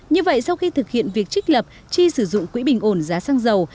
như vậy sau khi thực hiện việc trích lập chi sử dụng quỹ bình ổn giá xăng dầu